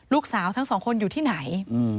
ลูกสาวทั้งสองคนอยู่ที่ไหน